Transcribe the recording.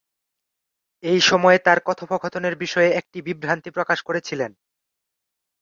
এই সময়ে তার কথোপকথনের বিষয়ে একটি বিভ্রান্তি প্রকাশ করেছিলেন।